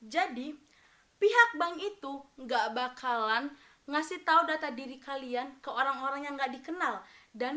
jadi pihak bank itu nggak bakalan ngasih tahu data diri kalian ke orang orang yang nggak dikenal dan